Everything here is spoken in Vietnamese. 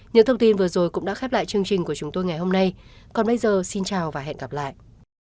những thông tin vừa rồi cũng đã khép lại chương trình của chúng tôi ngày hôm nay còn bây giờ xin chào và hẹn gặp lại